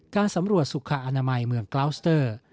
การสำรวจสุขอนามัยเมืองกลาวสเตอร์